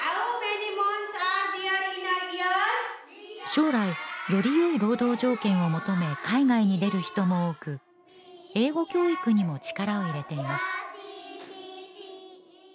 将来よりよい労働条件を求め海外に出る人も多く英語教育にも力を入れています